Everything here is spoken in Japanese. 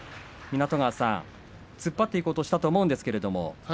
湊川さん、突っ張っていこうとしたと思うんですけどね